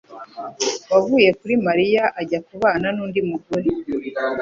yavuye kuri Mariya ajya kubana nundi mugore.